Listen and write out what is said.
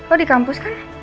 oh di kampus kan